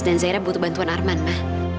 dan zaira butuh bantuan arman ma